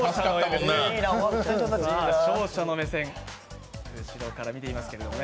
勝者の目線、後ろから見ていますけど。